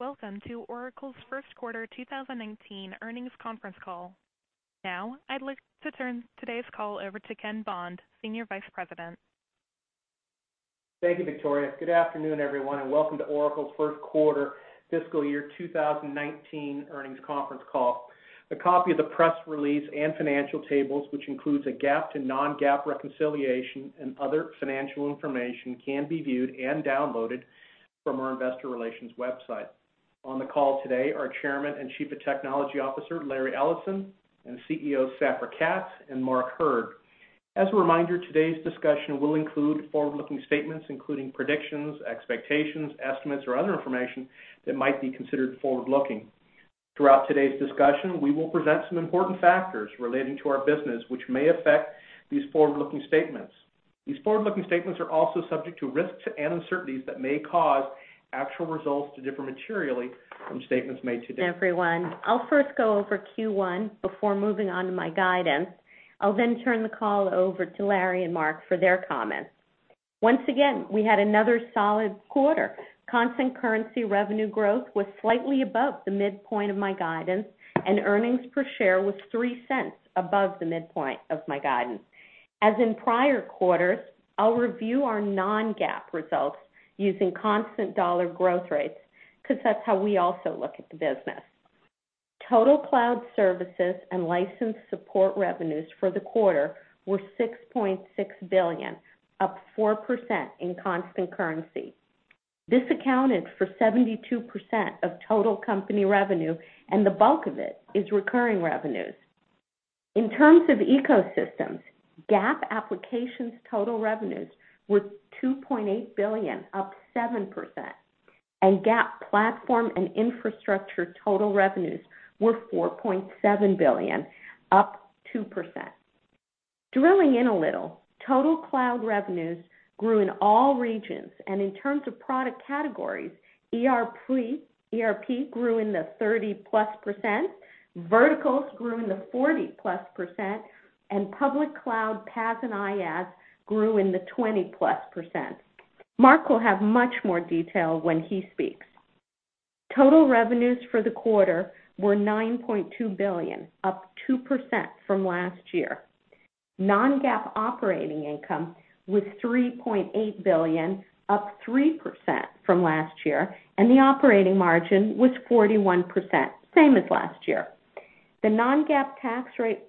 Welcome to Oracle's first quarter 2019 earnings conference call. I'd like to turn today's call over to Ken Bond, Senior Vice President. Thank you, Victoria. Good afternoon, everyone, and welcome to Oracle's first-quarter fiscal year 2019 earnings conference call. A copy of the press release and financial tables, which includes a GAAP to non-GAAP reconciliation and other financial information, can be viewed and downloaded from our investor relations website. On the call today are Chairman and Chief Technology Officer, Larry Ellison, and CEOs Safra Catz and Mark Hurd. As a reminder, today's discussion will include forward-looking statements, including predictions, expectations, estimates, or other information that might be considered forward-looking. Throughout today's discussion, we will present some important factors relating to our business, which may affect these forward-looking statements. These forward-looking statements are also subject to risks and uncertainties that may cause actual results to differ materially from statements made today. Everyone, I'll first go over Q1 before moving on to my guidance. I'll then turn the call over to Larry and Mark for their comments. Once again, we had another solid quarter. Constant currency revenue growth was slightly above the midpoint of my guidance, and earnings per share was $0.03 above the midpoint of my guidance. As in prior quarters, I'll review our non-GAAP results using constant dollar growth rates because that's how we also look at the business. Total cloud services and license support revenues for the quarter were $6.6 billion, up 4% in constant currency. This accounted for 72% of total company revenue, and the bulk of it is recurring revenues. In terms of ecosystems, GAAP applications total revenues was $2.8 billion, up 7%, and GAAP platform and infrastructure total revenues were $4.7 billion, up 2%. Drilling in a little, total cloud revenues grew in all regions, and in terms of product categories, ERP grew in the 30+%, verticals grew in the 40+%, and public cloud PaaS and IaaS grew in the 20+%. Mark will have much more detail when he speaks. Total revenues for the quarter were $9.2 billion, up 2% from last year. Non-GAAP operating income was $3.8 billion, up 3% from last year, and the operating margin was 41%, same as last year. The non-GAAP tax rate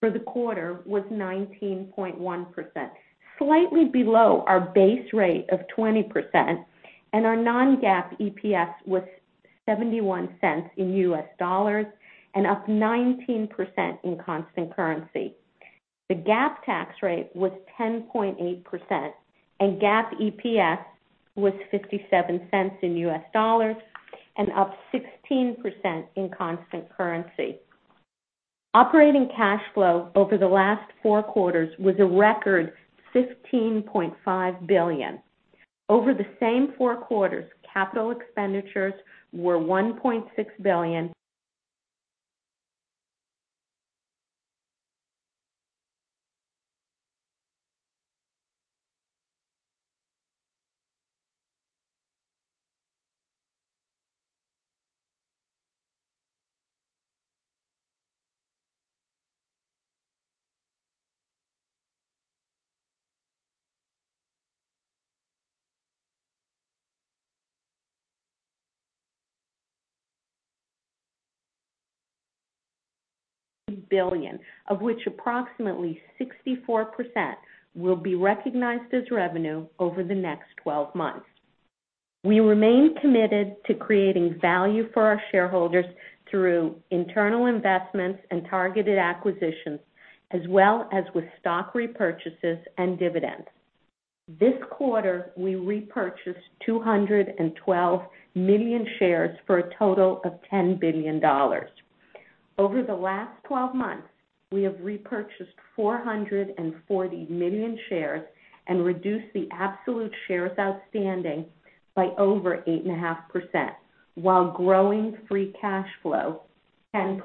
for the quarter was 19.1%, slightly below our base rate of 20%, and our non-GAAP EPS was $0.71 in US dollars and up 19% in constant currency. The GAAP tax rate was 10.8%, and GAAP EPS was $0.57 in US dollars and up 16% in constant currency. Operating cash flow over the last four quarters was a record $15.5 billion. Over the same four quarters, capital expenditures were $1.6 billion, of which approximately 64% will be recognized as revenue over the next 12 months. We remain committed to creating value for our shareholders through internal investments and targeted acquisitions, as well as with stock repurchases and dividends. This quarter, we repurchased 212 million shares for a total of $10 billion. Over the last 12 months, we have repurchased 440 million shares and reduced the absolute shares outstanding by over 8.5% while growing free cash flow 10%.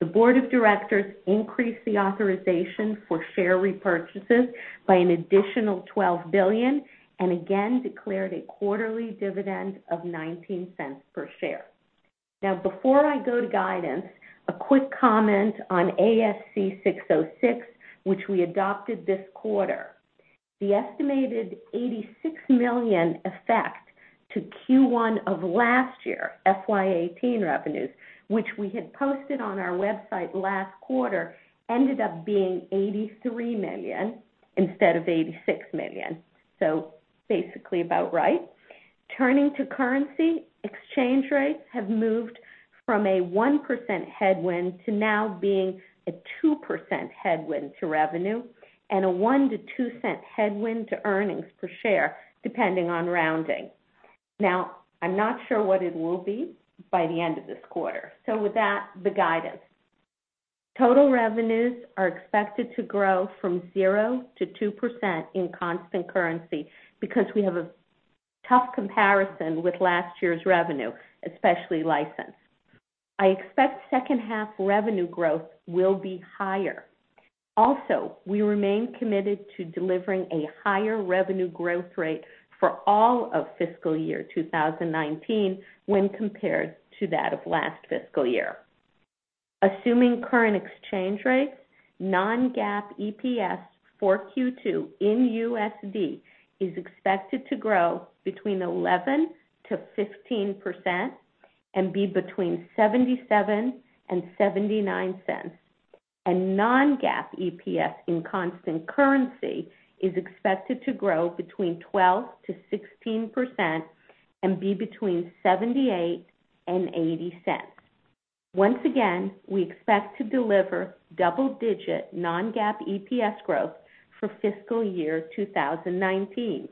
The board of directors increased the authorization for share repurchases by an additional $12 billion and again declared a quarterly dividend of $0.19 per share. Before I go to guidance, a quick comment on ASC 606, which we adopted this quarter. The estimated $86 million effect to Q1 of last year, FY 2018 revenues, which we had posted on our website last quarter, ended up being $83 million instead of $86 million. Basically about right. Turning to currency, exchange rates have moved from a 1% headwind to now being a 2% headwind to revenue and a $0.01-$0.02 headwind to earnings per share, depending on rounding. I'm not sure what it will be by the end of this quarter. With that, the guidance. Total revenues are expected to grow from 0-2% in constant currency because we have a tough comparison with last year's revenue, especially license. I expect second half revenue growth will be higher. Also, we remain committed to delivering a higher revenue growth rate for all of fiscal year 2019 when compared to that of last fiscal year. Assuming current exchange rates, non-GAAP EPS for Q2 in USD is expected to grow between 11%-15% and be between $0.77 and $0.79. Non-GAAP EPS in constant currency is expected to grow between 12%-16% and be between $0.78 and $0.80. Once again, we expect to deliver double-digit non-GAAP EPS growth for fiscal year 2019.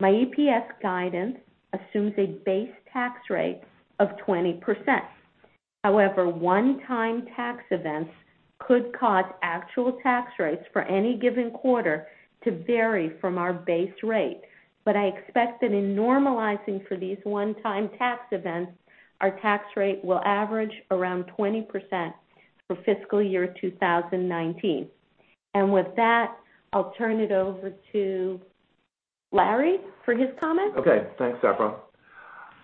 My EPS guidance assumes a base tax rate of 20%. However, one-time tax events could cause actual tax rates for any given quarter to vary from our base rate. I expect that in normalizing for these one-time tax events, our tax rate will average around 20% for fiscal year 2019. With that, I'll turn it over to Larry for his comments. Okay. Thanks, Safra.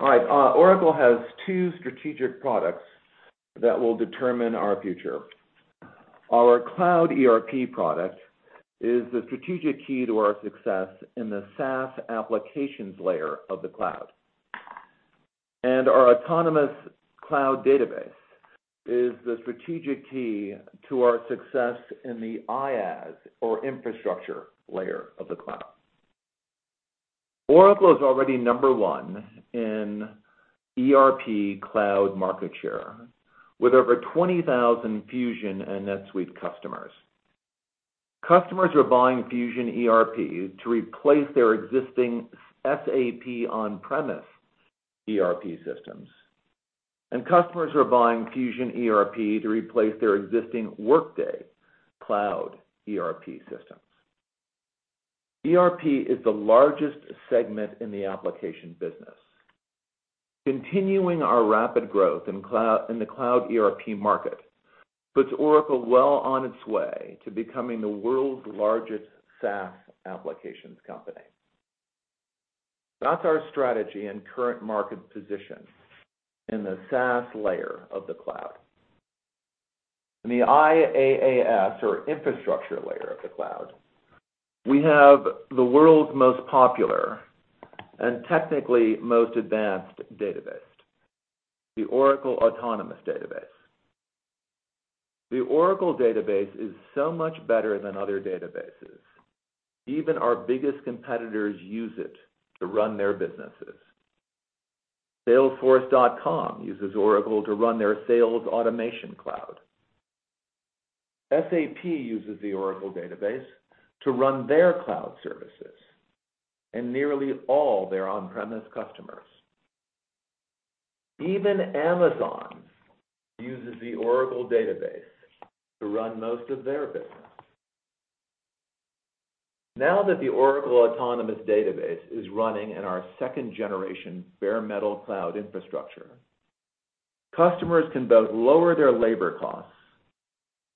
All right. Oracle has two strategic products that will determine our future. Our Cloud ERP product is the strategic key to our success in the SaaS applications layer of the cloud. Our Autonomous Cloud Database is the strategic key to our success in the IaaS or infrastructure layer of the cloud. Oracle is already number 1 in ERP cloud market share with over 20,000 Fusion and NetSuite customers. Customers are buying Fusion ERP to replace their existing SAP on-premise ERP systems, and customers are buying Fusion ERP to replace their existing Workday cloud ERP systems. ERP is the largest segment in the application business. Continuing our rapid growth in the cloud ERP market puts Oracle well on its way to becoming the world's largest SaaS applications company. That's our strategy and current market position in the SaaS layer of the cloud. In the IaaS or infrastructure layer of the cloud, we have the world's most popular and technically most advanced database, the Oracle Autonomous Database. The Oracle Database is so much better than other databases. Even our biggest competitors use it to run their businesses. salesforce.com uses Oracle to run their sales automation cloud. SAP uses the Oracle Database to run their cloud services and nearly all their on-premise customers. Even Amazon uses the Oracle Database to run most of their business. Now that the Oracle Autonomous Database is running in our second-generation bare metal cloud infrastructure, customers can both lower their labor costs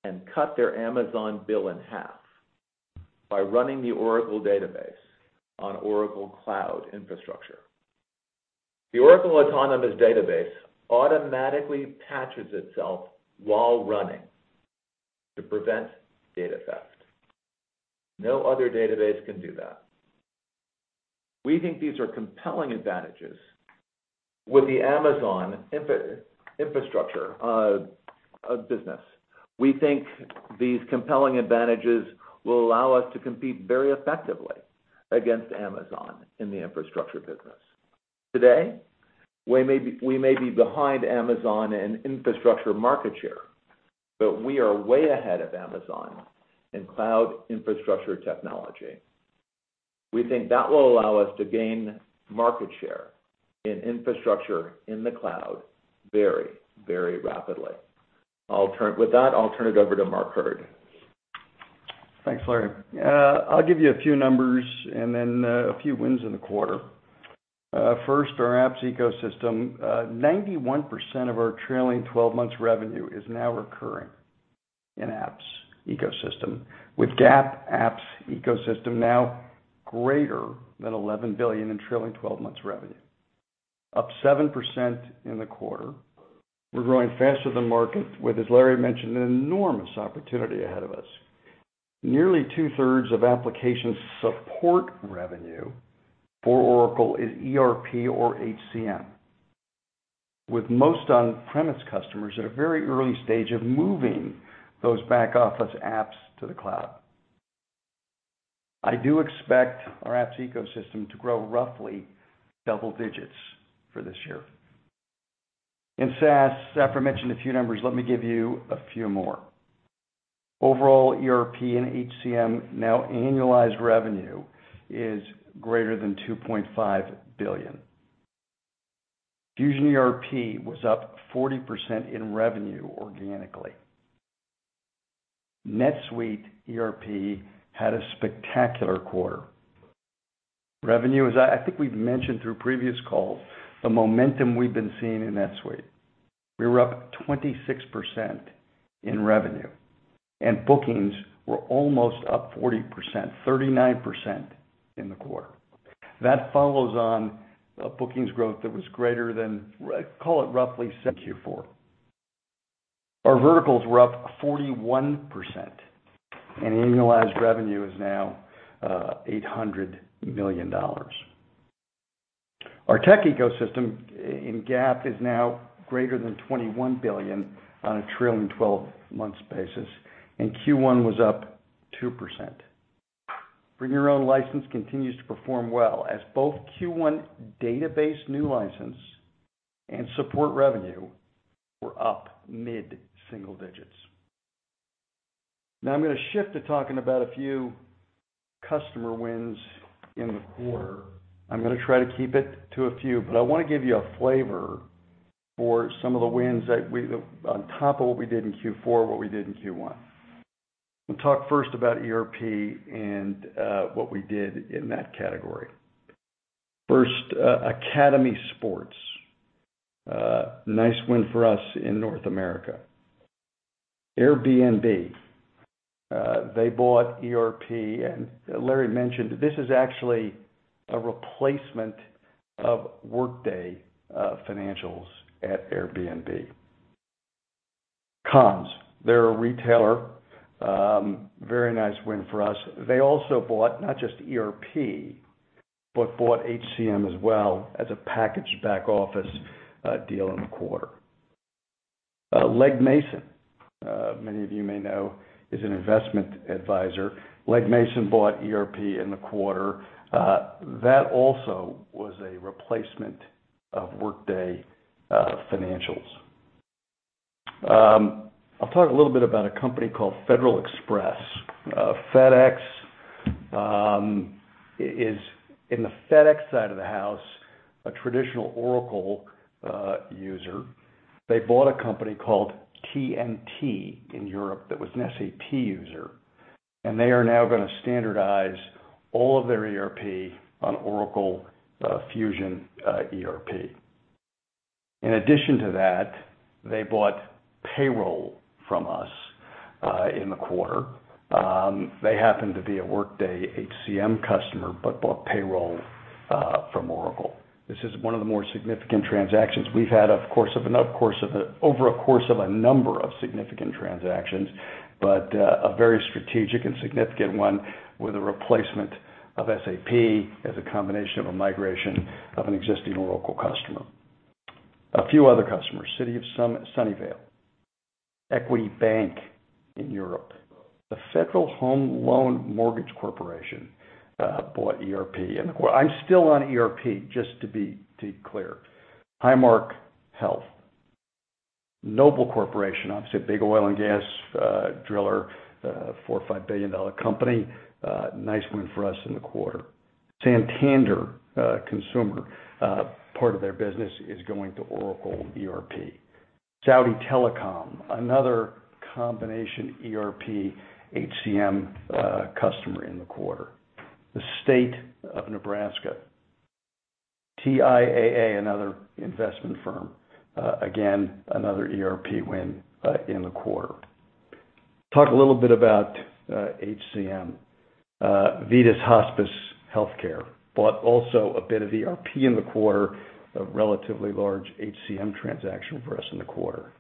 and cut their Amazon bill in half by running the Oracle Database on Oracle Cloud Infrastructure. The Oracle Autonomous Database automatically patches itself while running to prevent data theft. No other database can do that. We think these are compelling advantages with the Amazon infrastructure business. We think these compelling advantages will allow us to compete very effectively against Amazon in the infrastructure business. Today, we may be behind Amazon in infrastructure market share, but we are way ahead of Amazon in cloud infrastructure technology. We think that will allow us to gain market share in infrastructure in the cloud very rapidly. With that, I'll turn it over to Mark Hurd. Thanks, Larry. I'll give you a few numbers and then a few wins in the quarter. First, our apps ecosystem. 91% of our trailing 12 months revenue is now recurring in apps ecosystem, with GAAP apps ecosystem now greater than $11 billion in trailing 12 months revenue, up 7% in the quarter. We're growing faster than market with, as Larry mentioned, an enormous opportunity ahead of us. Nearly two-thirds of application support revenue for Oracle is ERP or HCM, with most on-premise customers at a very early stage of moving those back-office apps to the cloud. I do expect our apps ecosystem to grow roughly double digits for this year. In SaaS, Safra mentioned a few numbers. Let me give you a few more. Overall, ERP and HCM now annualized revenue is greater than $2.5 billion. Fusion ERP was up 40% in revenue organically. NetSuite ERP had a spectacular quarter. Revenue is, I think we've mentioned through previous calls, the momentum we've been seeing in NetSuite. We were up 26% in revenue, and bookings were almost up 40%, 39% in the quarter. That follows on a bookings growth that was greater than, call it roughly, Q4. Our verticals were up 41%, and annualized revenue is now $800 million. Our tech ecosystem in GAAP is now greater than $21 billion on a trailing 12 months basis, and Q1 was up 2%. Bring Your Own License continues to perform well as both Q1 database new license and support revenue were up mid-single digits. I'm going to shift to talking about a few customer wins in the quarter. I'm going to try to keep it to a few, but I want to give you a flavor for some of the wins that on top of what we did in Q4, what we did in Q1. We'll talk first about ERP and what we did in that category. First, Academy Sports. Nice win for us in North America. Airbnb, they bought ERP, and Larry mentioned this is actually a replacement of Workday financials at Airbnb. Kohl's, they're a retailer. Very nice win for us. They also bought not just ERP, but bought HCM as well as a packaged back-office deal in the quarter. Legg Mason, many of you may know, is an investment advisor. Legg Mason bought ERP in the quarter. That also was a replacement of Workday financials. I'll talk a little bit about a company called Federal Express. FedEx is, in the FedEx side of the house, a traditional Oracle user. They bought a company called TNT in Europe that was an SAP user, and they are now going to standardize all of their ERP on Oracle Fusion ERP. In addition to that, they bought payroll from us in the quarter. They happen to be a Workday HCM customer, but bought payroll from Oracle. This is one of the more significant transactions we've had over a course of a number of significant transactions, but a very strategic and significant one with a replacement of SAP as a combination of a migration of an existing Oracle customer. A few other customers, City of Sunnyvale, Equity Bank in Europe. The Federal Home Loan Mortgage Corporation bought ERP in the quarter. I'm still on ERP, just to be clear. Highmark Health. Noble Corporation, obviously a big oil and gas driller, $4 billion or $5 billion company. Nice win for us in the quarter. Santander Consumer, part of their business is going to Oracle ERP. Saudi Telecom, another combination ERP HCM customer in the quarter. The State of Nebraska. TIAA, another investment firm, again, another ERP win in the quarter. Talk a little bit about HCM. VITAS Healthcare, bought also a bit of ERP in the quarter, a relatively large HCM transaction for us in the quarter.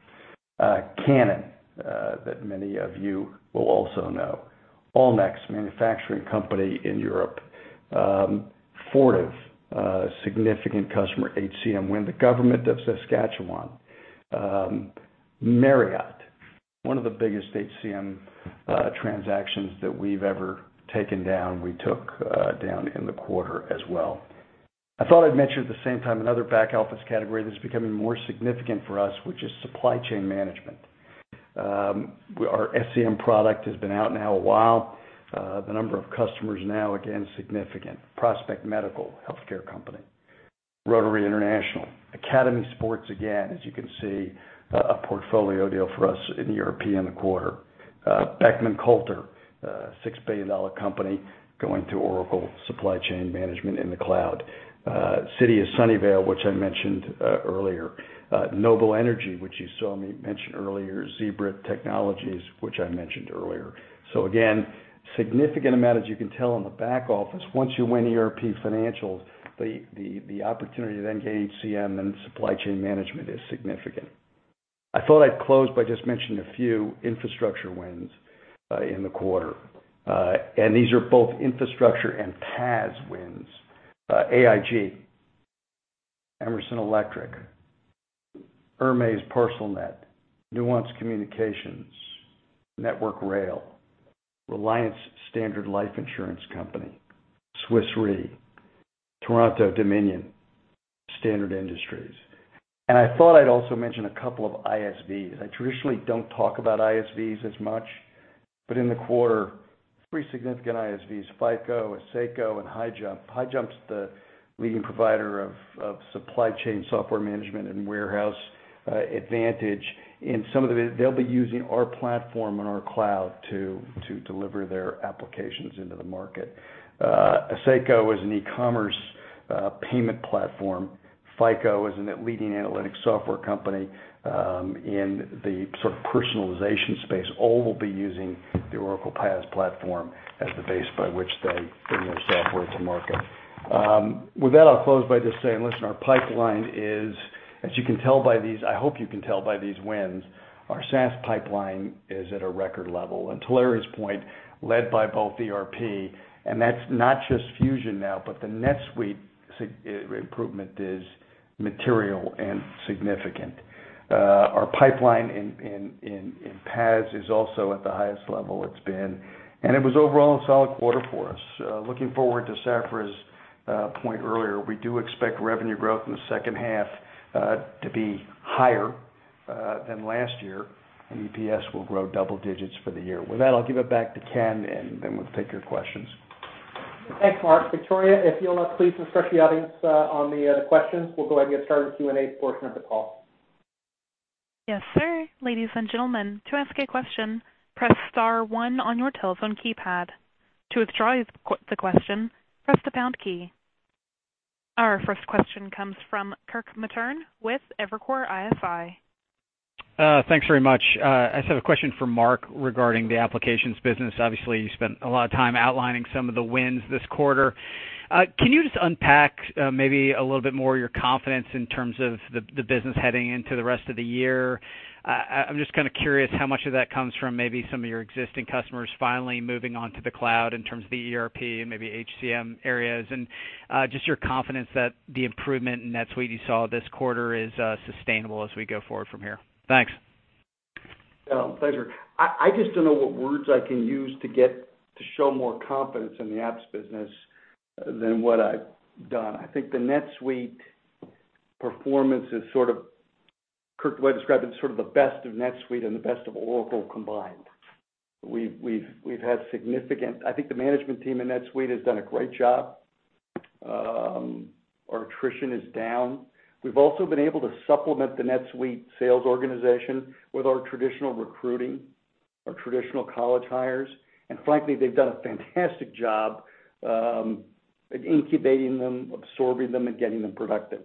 Canon, that many of you will also know. Allnex, manufacturing company in Europe. Fortive, significant customer, HCM win. The government of Saskatchewan. Marriott, one of the biggest HCM transactions that we've ever taken down, we took down in the quarter as well. I thought I'd mention at the same time another back-office category that's becoming more significant for us, which is supply chain management. Our SCM product has been out now a while. The number of customers now, again, significant. Prospect Medical, healthcare company. Rotary International. Academy Sports, again, as you can see, a portfolio deal for us in ERP in the quarter. Beckman Coulter, a $6 billion company going to Oracle Fusion Cloud SCM in the cloud. City of Sunnyvale, which I mentioned earlier. Noble Energy, which you saw me mention earlier. Zebra Technologies, which I mentioned earlier. Again, significant amount, as you can tell in the back office, once you win ERP financials, the opportunity to then gain HCM and supply chain management is significant. I thought I'd close by just mentioning a few infrastructure wins in the quarter. These are both infrastructure and PaaS wins. AIG, Emerson Electric, Hermes Parcelnet, Nuance Communications, Network Rail, Reliance Standard Life Insurance Company, Swiss Re, Toronto-Dominion, Standard Industries. I thought I'd also mention a couple of ISVs. I traditionally don't talk about ISVs as much. In the quarter, 3 significant ISVs, FICO, Asseco, and HighJump. HighJump's the leading provider of supply chain software management and Warehouse Advantage. They'll be using our platform and our cloud to deliver their applications into the market. Asseco is an e-commerce payment platform. FICO is a leading analytics software company in the personalization space. All will be using the Oracle PaaS platform as the base by which they bring their software to market. I'll close by just saying, listen, our pipeline is, as you can tell by these, I hope you can tell by these wins, our SaaS pipeline is at a record level. To Larry's point, led by both ERP, and that's not just Fusion now, but the NetSuite improvement is material and significant. Our pipeline in PaaS is also at the highest level it's been. It was overall a solid quarter for us. Looking forward to Safra's point earlier, we do expect revenue growth in the second half to be higher than last year. EPS will grow double digits for the year. I'll give it back to Ken. Then we'll take your questions. Thanks, Mark. Victoria, if you'll please instruct the audience on the questions, we'll go ahead and get started with the Q&A portion of the call. Yes, sir. Ladies and gentlemen, to ask a question, press star 1 on your telephone keypad. To withdraw the question, press the pound key. Our first question comes from Kirk Materne with Evercore ISI. Thanks very much. I just have a question for Mark regarding the applications business. Obviously, you spent a lot of time outlining some of the wins this quarter. Can you just unpack maybe a little bit more your confidence in terms of the business heading into the rest of the year? I'm just kind of curious how much of that comes from maybe some of your existing customers finally moving onto the cloud in terms of the ERP and maybe HCM areas, and just your confidence that the improvement in NetSuite you saw this quarter is sustainable as we go forward from here. Thanks. Pleasure. I just don't know what words I can use to show more confidence in the apps business than what I've done. I think the NetSuite performance is sort of, Kirk, the way I describe it, is sort of the best of NetSuite and the best of Oracle combined. I think the management team in NetSuite has done a great job. Our attrition is down. We've also been able to supplement the NetSuite sales organization with our traditional recruiting, our traditional college hires. Frankly, they've done a fantastic job at incubating them, absorbing them, and getting them productive.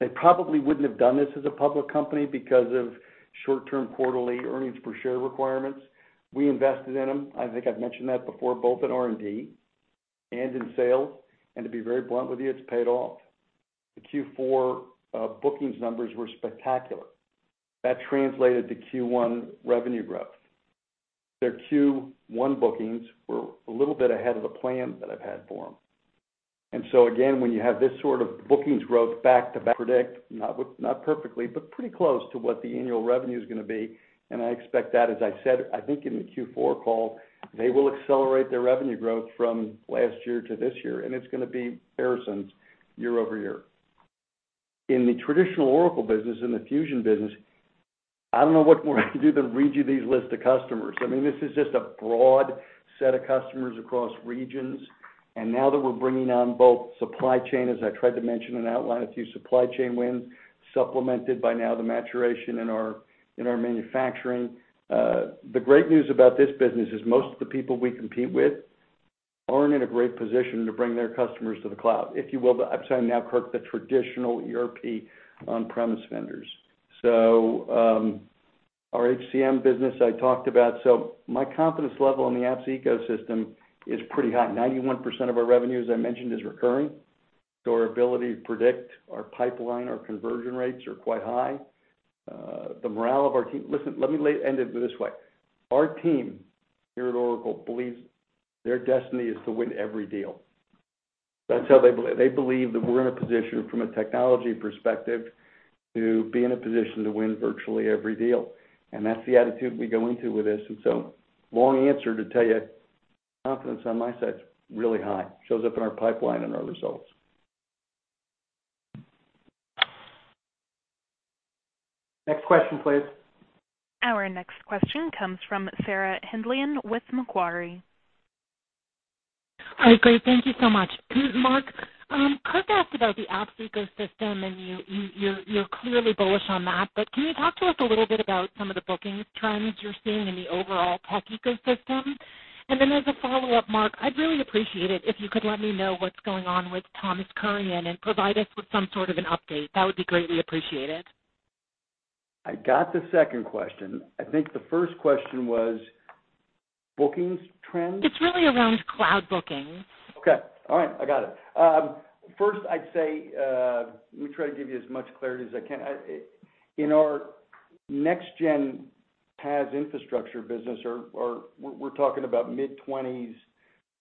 They probably wouldn't have done this as a public company because of short-term quarterly earnings per share requirements. We invested in them, I think I've mentioned that before, both in R&D and in sales. To be very blunt with you, it's paid off. The Q4 bookings numbers were spectacular. That translated to Q1 revenue growth. Their Q1 bookings were a little bit ahead of the plan that I've had for them. Again, when you have this sort of bookings growth back to back, predict not perfectly, but pretty close to what the annual revenue is going to be. I expect that, as I said, I think in the Q4 call, they will accelerate their revenue growth from last year to this year, and it's going to be comparisons year-over-year. In the traditional Oracle business, in the Fusion business, I don't know what more I can do than read you these list of customers. I mean, this is just a broad set of customers across regions. Now that we're bringing on both supply chain, as I tried to mention and outline a few supply chain wins, supplemented by now the maturation in our manufacturing. The great news about this business is most of the people we compete with aren't in a great position to bring their customers to the cloud. If you will, I'm saying now, Kirk, the traditional ERP on-premises vendors. Our HCM business I talked about. My confidence level on the apps ecosystem is pretty high. 91% of our revenue, as I mentioned, is recurring. Our ability to predict our pipeline, our conversion rates are quite high. The morale of our team Listen, let me end it this way. Our team here at Oracle believes their destiny is to win every deal. That's how they believe. They believe that we're in a position from a technology perspective to be in a position to win virtually every deal. That's the attitude we go into with this. Long answer to tell you, confidence on my side is really high, shows up in our pipeline and our results. Next question, please. Our next question comes from Sarah Hindlian with Macquarie. All right, great. Thank you so much. Mark, Kirk asked about the apps ecosystem, and you're clearly bullish on that, but can you talk to us a little bit about some of the bookings trends you're seeing in the overall tech ecosystem? As a follow-up, Mark, I'd really appreciate it if you could let me know what's going on with Thomas Kurian and provide us with some sort of an update. That would be greatly appreciated. I got the second question. I think the first question was bookings trends? It's really around cloud bookings. Okay. All right. I got it. First I'd say, let me try to give you as much clarity as I can. In our next-gen PaaS infrastructure business, we're talking about mid-20s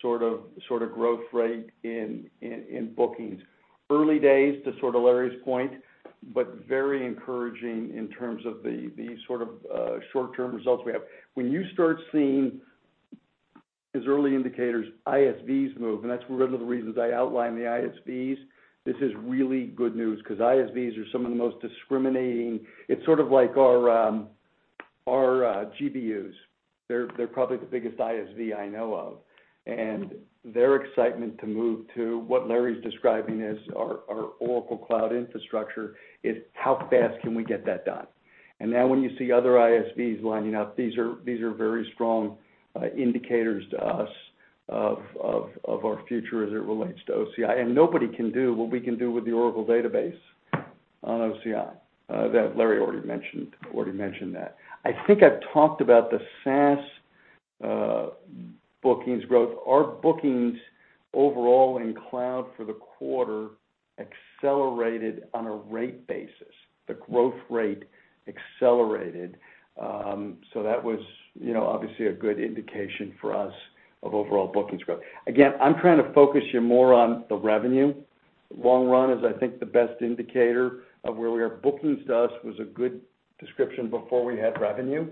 sort of growth rate in bookings. Early days to Larry's point, but very encouraging in terms of the sort of short-term results we have. When you start seeing these early indicators, ISVs move, and that's one of the reasons I outlined the ISVs. This is really good news because ISVs are some of the most discriminating It's sort of like our GBUs, they're probably the biggest ISV I know of, and their excitement to move to what Larry's describing as our Oracle Cloud Infrastructure is how fast can we get that done. Now when you see other ISVs lining up, these are very strong indicators to us of our future as it relates to OCI. Nobody can do what we can do with the Oracle Database on OCI. Larry already mentioned that. I think I've talked about the SaaS bookings growth. Our bookings overall in cloud for the quarter accelerated on a rate basis. The growth rate accelerated. That was obviously a good indication for us of overall bookings growth. Again, I'm trying to focus you more on the revenue. Long run is, I think, the best indicator of where we are. Bookings to us was a good description before we had revenue.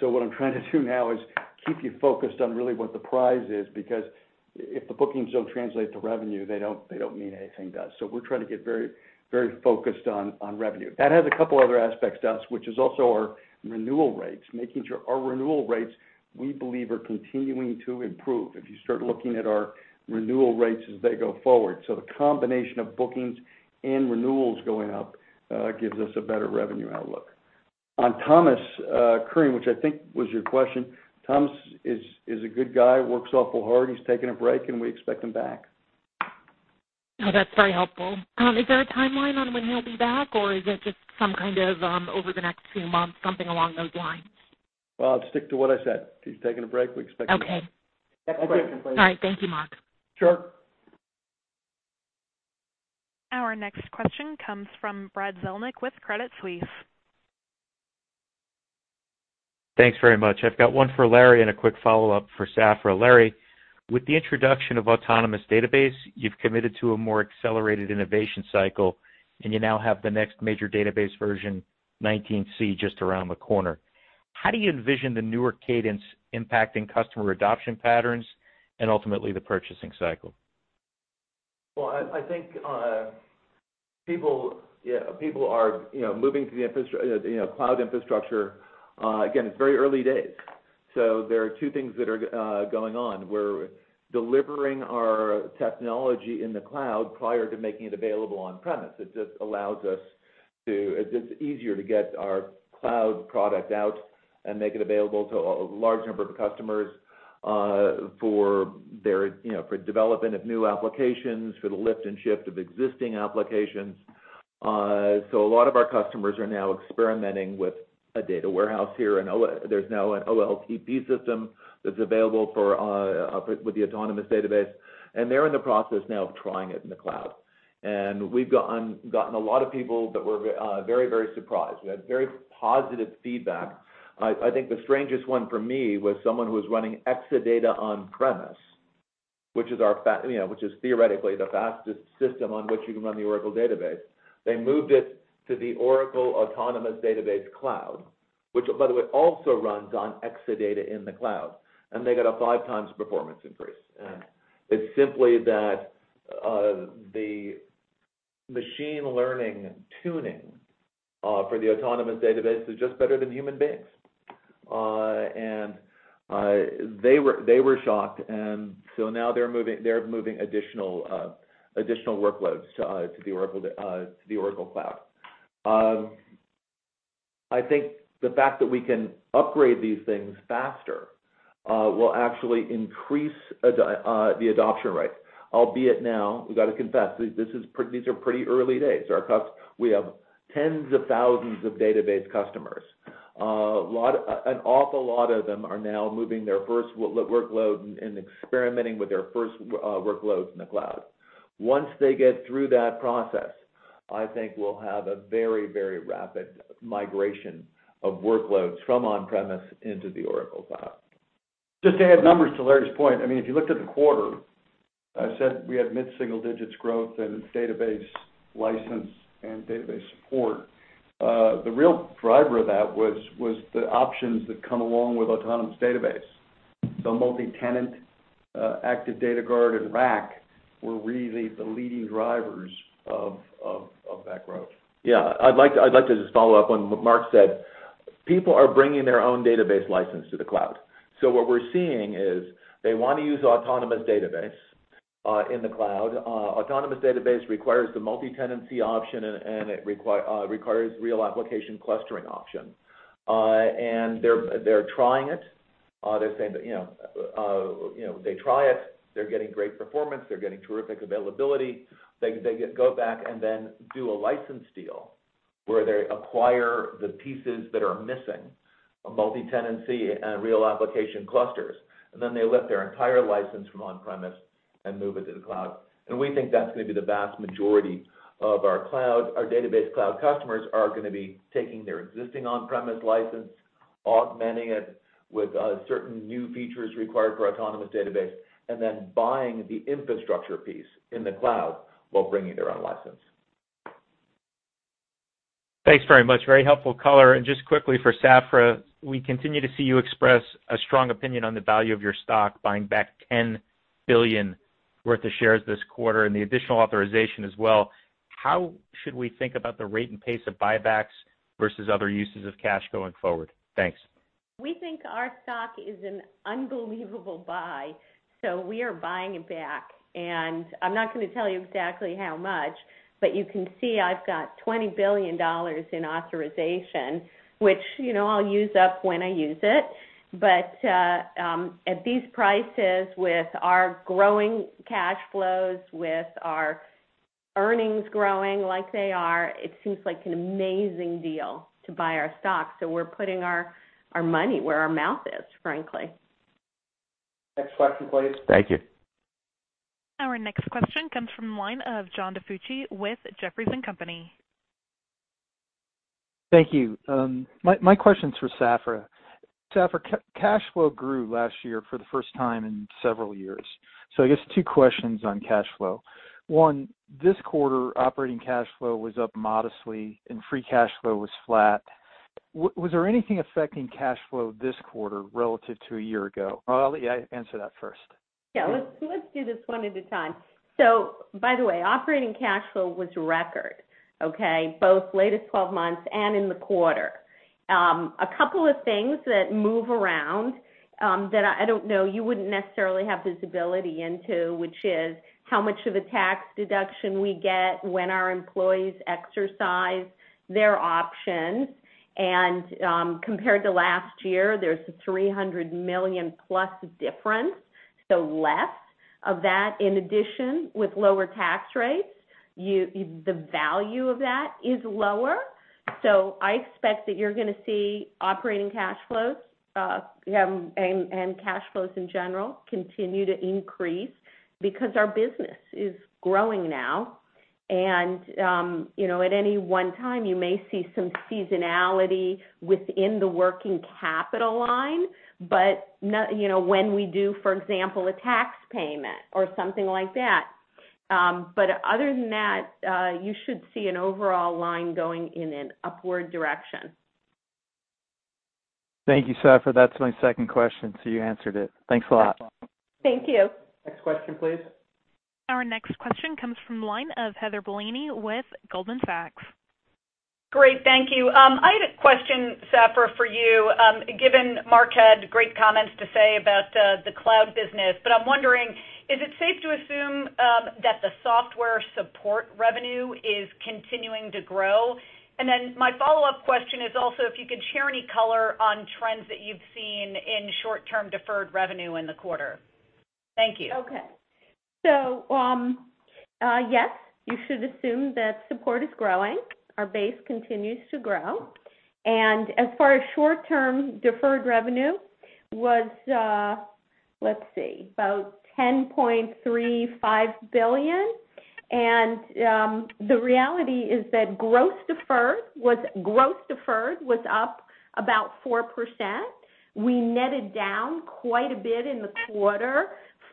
What I'm trying to do now is keep you focused on really what the prize is, because if the bookings don't translate to revenue, they don't mean anything to us. We're trying to get very focused on revenue. That has a couple other aspects to us, which is also our renewal rates, making sure our renewal rates, we believe, are continuing to improve if you start looking at our renewal rates as they go forward. The combination of bookings and renewals going up gives us a better revenue outlook. On Thomas Kurian, which I think was your question, Thomas is a good guy, works awful hard. He's taking a break and we expect him back. Oh, that's very helpful. Is there a timeline on when he'll be back or is it just some kind of, over the next few months, something along those lines? Well, I'll stick to what I said. He's taking a break. We expect him back. Okay. Next question, please. All right. Thank you, Mark. Sure. Our next question comes from Brad Zelnick with Credit Suisse. Thanks very much. I've got one for Larry and a quick follow-up for Safra. Larry, with the introduction of Autonomous Database, you've committed to a more accelerated innovation cycle, and you now have the next major database version 19c just around the corner. How do you envision the newer cadence impacting customer adoption patterns and ultimately the purchasing cycle? Well, I think people are moving to the cloud infrastructure. Again, it's very early days. There are two things that are going on. We're delivering our technology in the cloud prior to making it available on premise. It's easier to get our cloud product out and make it available to a large number of customers for development of new applications, for the lift and shift of existing applications. A lot of our customers are now experimenting with a data warehouse here, and there's now an OLTP system that's available with the Autonomous Database, and they're in the process now of trying it in the cloud. We've gotten a lot of people that were very surprised. We had very positive feedback. I think the strangest one for me was someone who was running Exadata on premise, which is theoretically the fastest system on which you can run the Oracle Database. They moved it to the Oracle Autonomous Database Cloud, which, by the way, also runs on Exadata in the cloud, and they got a five times performance increase. It's simply that the machine learning tuning for the Autonomous Database is just better than human beings. They were shocked. Now they're moving additional workloads to the Oracle Cloud. I think the fact that we can upgrade these things faster will actually increase the adoption rate. Albeit now, we've got to confess, these are pretty early days. We have tens of thousands of database customers. An awful lot of them are now moving their first workload and experimenting with their first workloads in the cloud. Once they get through that process, I think we'll have a very rapid migration of workloads from on-premise into the Oracle Cloud. Just to add numbers to Larry's point, if you looked at the quarter, I said we had mid-single digits growth in database license and database support. The real driver of that was the options that come along with Autonomous Database. Multitenant, Active Data Guard, and RAC were really the leading drivers of that growth. Yeah. I'd like to just follow up on what Mark said. People are bringing their own database license to the cloud. What we're seeing is they want to use Autonomous Database in the cloud. Autonomous Database requires the Multitenant option, and it requires Real Application Clustering option. They're trying it. They're saying that they try it, they're getting great performance, they're getting terrific availability. They go back and then do a license deal where they acquire the pieces that are missing, Multitenant and Real Application Clusters. Then they lift their entire license from on-premise and move it to the cloud. We think that's going to be the vast majority of our Database Cloud customers are going to be taking their existing on-premise license, augmenting it with certain new features required for Autonomous Database, and then buying the infrastructure piece in the cloud while bringing their own license. Thanks very much. Very helpful color. Just quickly for Safra, we continue to see you express a strong opinion on the value of your stock, buying back $10 billion worth of shares this quarter and the additional authorization as well. How should we think about the rate and pace of buybacks versus other uses of cash going forward? Thanks. We think our stock is an unbelievable buy. We are buying it back. I'm not going to tell you exactly how much, but you can see I've got $20 billion in authorization, which I'll use up when I use it. At these prices, with our growing cash flows, with our earnings growing like they are, it seems like an amazing deal to buy our stock. We're putting our money where our mouth is, frankly. Next question, please. Thank you. Our next question comes from the line of John DiFucci with Jefferies & Company. Thank you. My question's for Safra. Safra, cash flow grew last year for the first time in several years. I guess two questions on cash flow. One, this quarter operating cash flow was up modestly and free cash flow was flat. Was there anything affecting cash flow this quarter relative to a year ago? I'll let you answer that first. Let's do this one at a time. By the way, operating cash flow was record, okay? Both latest 12 months and in the quarter. A couple of things that move around, that I don't know, you wouldn't necessarily have visibility into, which is how much of a tax deduction we get when our employees exercise their options. Compared to last year, there's a $300 million-plus difference, so less of that. In addition, with lower tax rates, the value of that is lower. I expect that you're going to see operating cash flows, and cash flows in general, continue to increase because our business is growing now. At any one time, you may see some seasonality within the working capital line, but when we do, for example, a tax payment or something like that. other than that, you should see an overall line going in an upward direction. Thank you, Safra. That's my second question. you answered it. Thanks a lot. Thank you. Next question, please. Our next question comes from the line of Heather Bellini with Goldman Sachs. Great. Thank you. I had a question, Safra, for you, given Mark had great comments to say about the cloud business. I'm wondering, is it safe to assume that the software support revenue is continuing to grow? My follow-up question is also if you could share any color on trends that you've seen in short-term deferred revenue in the quarter. Thank you. Okay. Yes, you should assume that support is growing. Our base continues to grow. As far as short-term deferred revenue, was, let's see, about $10.35 billion. The reality is that gross deferred was up about 4%. We netted down quite a bit in the quarter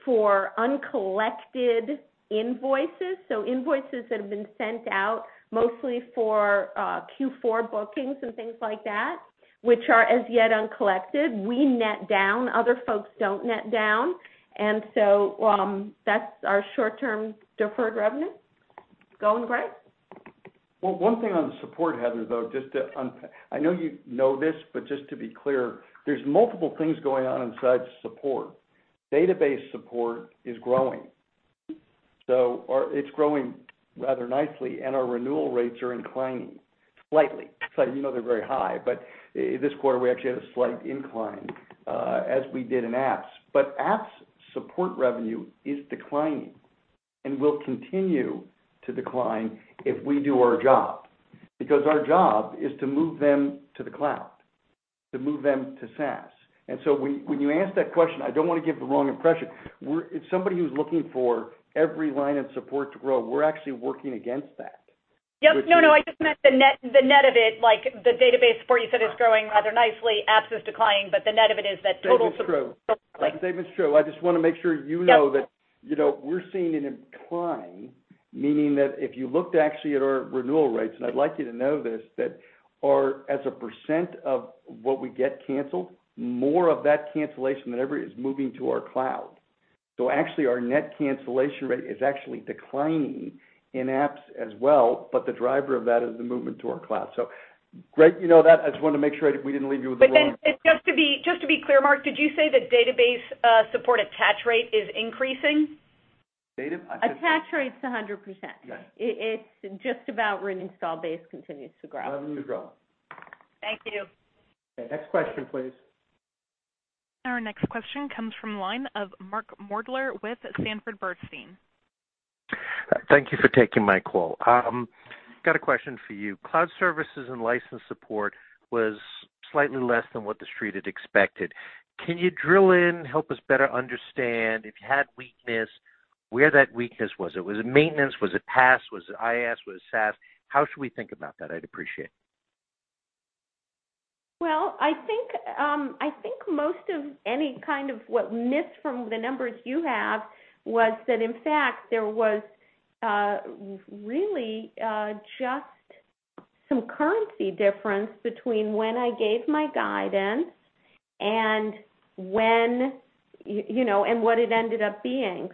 for uncollected invoices. Invoices that have been sent out mostly for Q4 bookings and things like that, which are as yet uncollected. We net down, other folks don't net down. That's our short-term deferred revenue. It's going great. Well, one thing on the support, Heather, though, I know you know this, but just to be clear, there's multiple things going on inside support. Database support is growing. It's growing rather nicely, and our renewal rates are inclining slightly. You know they're very high, but this quarter we actually had a slight incline, as we did in apps. Apps support revenue is declining and will continue to decline if we do our job. Because our job is to move them to the cloud, to move them to SaaS. When you ask that question, I don't want to give the wrong impression. If somebody who's looking for every line of support to grow, we're actually working against that. Yep. No, no. I just meant the net of it, like the database support you said is growing rather nicely. Apps is declining, the net of it is that total- The statement's true. I just want to make sure you know that we're seeing an incline, meaning that if you looked actually at our renewal rates, and I'd like you to know this, that as a percent of what we get canceled, more of that cancellation than ever is moving to our cloud. Actually our net cancellation rate is actually declining in apps as well, the driver of that is the movement to our cloud. Great you know that. I just wanted to make sure we didn't leave you with the wrong- Just to be clear, Mark, did you say that database support attach rate is increasing? Data- Attach rate's 100%. Yeah. It's just about where install base continues to grow. Revenue's growing. Thank you. Okay. Next question, please. Our next question comes from the line of Mark Moerdler with Sanford C. Bernstein. Thank you for taking my call. Got a question for you. Cloud services and license support was slightly less than what the street had expected. Can you drill in, help us better understand if you had weakness, where that weakness was? Was it maintenance? Was it PaaS? Was it IaaS? Was it SaaS? How should we think about that? I would appreciate it. I think most of any kind of what missed from the numbers you have was that in fact there was really just some currency difference between when I gave my guidance and what it ended up being.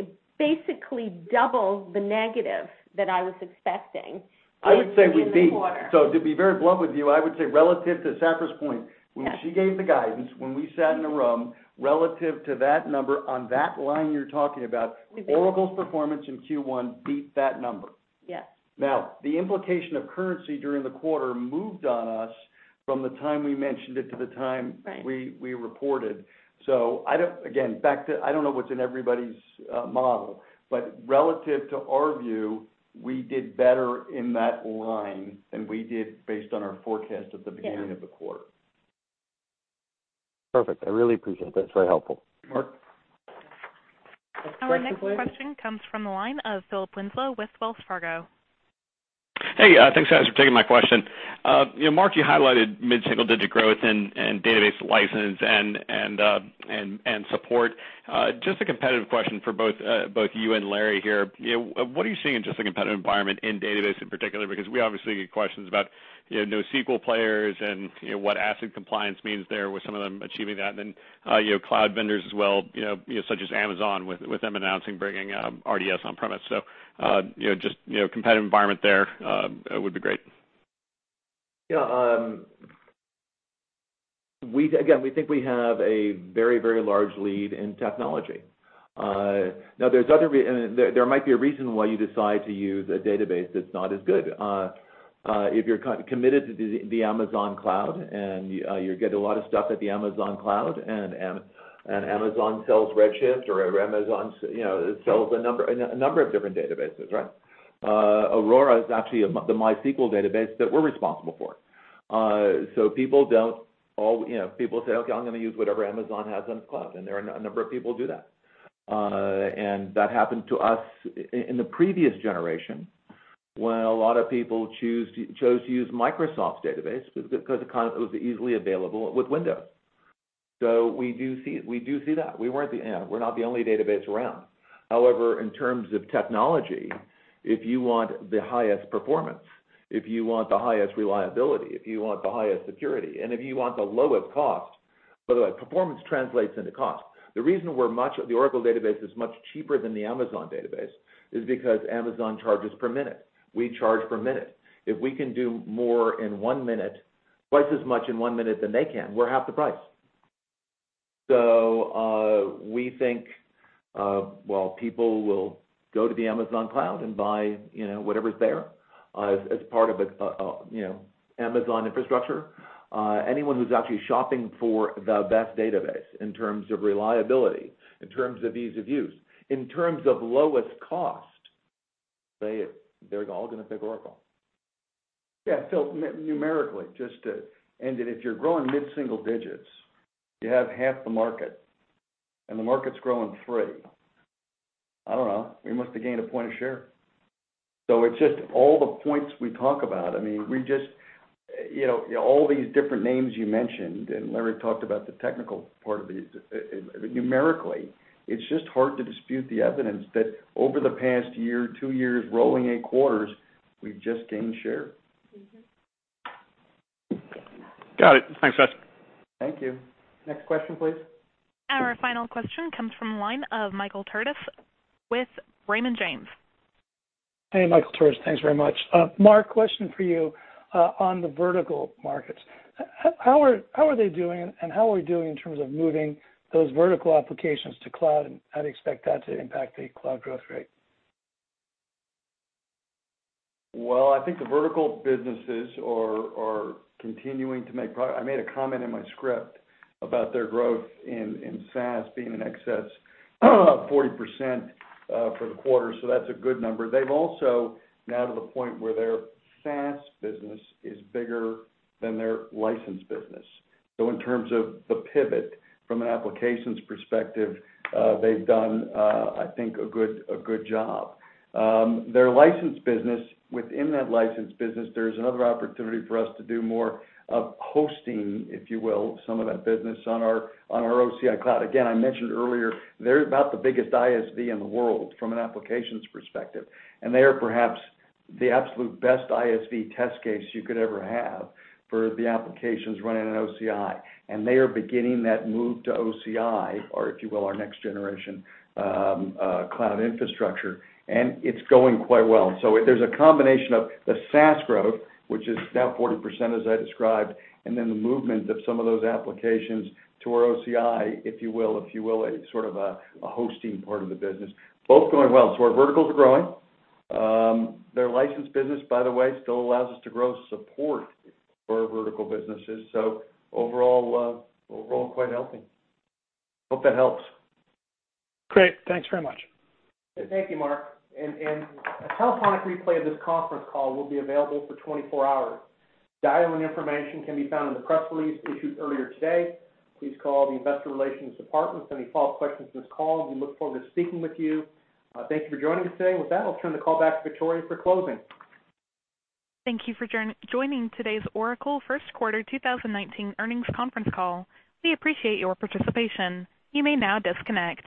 It basically doubled the negative that I was expecting in the quarter. To be very blunt with you, I would say relative to Safra's point. Yeah When she gave the guidance, when we sat in the room, relative to that number on that line you're talking about. Oracle's performance in Q1 beat that number. Yes. Now, the implication of currency during the quarter moved on us from the time we mentioned it to the time, Right we reported. Again, back to, I don't know what's in everybody's model, but relative to our view, we did better in that line than we did based on our forecast at the beginning of the quarter. Yes. Perfect. I really appreciate that. It's very helpful. Mark. Our next question comes from the line of Philip Winslow with Wells Fargo. Hey, thanks guys for taking my question. Mark, you highlighted mid-single-digit growth in Database License and Support. Just a competitive question for both you and Larry here. What are you seeing in just the competitive environment in Database in particular? We obviously get questions about NoSQL players and what ACID compliance means there with some of them achieving that, and then cloud vendors as well such as Amazon, with them announcing bringing RDS on-premise. Just competitive environment there would be great. Yeah. Again, we think we have a very, very large lead in technology. There might be a reason why you decide to use a database that's not as good. If you're committed to the Amazon Cloud, and you're getting a lot of stuff at the Amazon Cloud, and Amazon sells Redshift, or Amazon sells a number of different databases, right? Aurora is actually the MySQL database that we're responsible for. People say, "Okay, I'm going to use whatever Amazon has in its cloud," and there are a number of people who do that. That happened to us in the previous generation when a lot of people chose to use Microsoft's database because it was easily available with Windows. We do see that. We're not the only database around. In terms of technology, if you want the highest performance, if you want the highest reliability, if you want the highest security, and if you want the lowest cost. By the way, performance translates into cost. The reason the Oracle Database is much cheaper than the Amazon database is because Amazon charges per minute. We charge per minute. If we can do more in one minute, twice as much in one minute than they can, we're half the price. We think while people will go to the Amazon cloud and buy whatever's there as part of Amazon infrastructure, anyone who's actually shopping for the best database in terms of reliability, in terms of ease of use, in terms of lowest cost, they're all going to pick Oracle. Yeah, Phil, numerically, if you're growing mid-single digits, you have half the market, and the market's growing three, I don't know, we must have gained a point of share. It's just all the points we talk about. All these different names you mentioned, and Larry talked about the technical part of these. Numerically, it's just hard to dispute the evidence that over the past year, two years, rolling 8 quarters, we've just gained share. Got it. Thanks, guys. Thank you. Next question, please. Our final question comes from the line of Michael Turits with Raymond James. Hey, Michael Turits, thanks very much. Mark, question for you on the vertical markets. How are they doing, how are we doing in terms of moving those vertical applications to cloud, how do you expect that to impact the cloud growth rate? Well, I think the vertical businesses are continuing to make progress. I made a comment in my script about their growth in SaaS being in excess of 40% for the quarter, That's a good number. They've also now to the point where their SaaS business is bigger than their license business. In terms of the pivot from an applications perspective, they've done I think a good job. Their license business, within that license business, there's another opportunity for us to do more of hosting, if you will, some of that business on our OCI cloud. Again, I mentioned earlier, they're about the biggest ISV in the world from an applications perspective. They are perhaps the absolute best ISV test case you could ever have for the applications running on OCI, They are beginning that move to OCI, or if you will, our next generation cloud infrastructure, It's going quite well. There's a combination of the SaaS growth, which is now 40%, as I described, and then the movement of some of those applications to our OCI, if you will, a sort of a hosting part of the business, both going well. Our verticals are growing. Their license business, by the way, still allows us to grow support for our vertical businesses. Overall, quite healthy. Hope that helps. Great. Thanks very much. Thank you, Mark. A telephonic replay of this conference call will be available for 24 hours. Dial-in information can be found in the press release issued earlier today. Please call the investor relations department with any follow-up questions from this call. We look forward to speaking with you. Thank you for joining us today. With that, I'll turn the call back to Victoria for closing. Thank you for joining today's Oracle First Quarter 2019 Earnings Conference Call. We appreciate your participation. You may now disconnect.